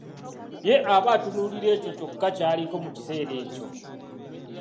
Ye aba atunuulira ekyo kyokka ky'aliko mu kiseera ekyo.